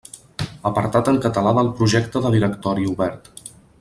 Apartat en català del Projecte de Directori Obert.